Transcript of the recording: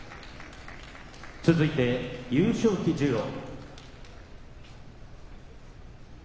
続いて優勝旗授与。